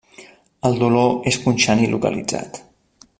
El dolor és punxant i localitzat.